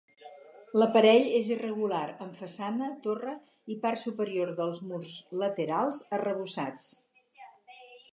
L'aparell és irregular, amb façana, torre i part superior dels murs laterals arrebossats.